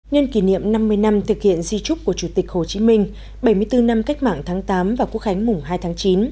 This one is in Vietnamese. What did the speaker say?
nhân kỷ niệm năm mươi năm thực hiện di trúc của chủ tịch hồ chí minh bảy mươi bốn năm cách mạng tháng tám và quốc khánh mùng hai tháng chín